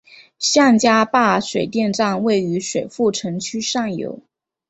向家坝水电站位于水富城区上游。